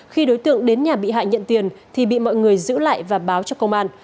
khi đối tượng đến nhà bị hại nhận tiền thì bị mọi người giữ lại và báo cho công an